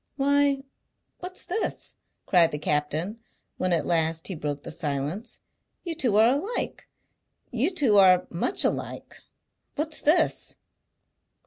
"Why, what's this?" cried the captain, when at last he broke the silence. "You two are alike. You two are much alike. What's this?"